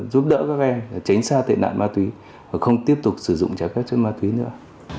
giúp đỡ các em tránh xa tệ nạn ma túy và không tiếp tục sử dụng trái phép chất ma túy nữa